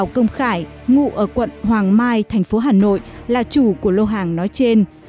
công khải ngụ ở quận hoàng mai tp hcm là chủ của lô hàng nói trên